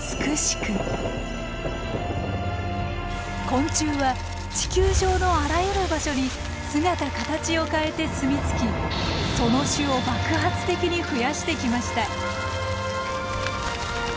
昆虫は地球上のあらゆる場所に姿形を変えてすみつきその種を爆発的に増やしてきました。